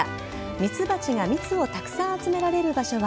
ミツバチが蜜をたくさん集められる場所は